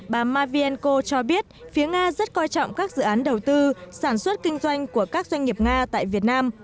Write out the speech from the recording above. bà mavienko cho biết phía nga rất coi trọng các dự án đầu tư sản xuất kinh doanh của các doanh nghiệp nga tại việt nam